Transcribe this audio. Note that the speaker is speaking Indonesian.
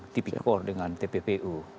tipikor dengan tppu